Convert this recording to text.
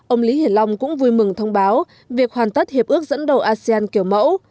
ông lý hiển long cũng vui mừng thông báo việc hoàn tất hiệp ước dẫn đầu asean kiểu mẫu